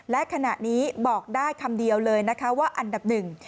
และขณะนี้บอกได้คำเดียวเลยนะคะว่าอันดับหนึ่ง